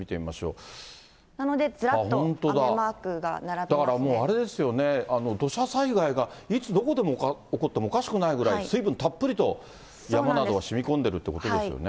なので、ずらっと雨マークがあれですよね、土砂災害がいつどこで起こってもおかしくないぐらい、水分たっぷりと山などはしみこんでるってことですよね。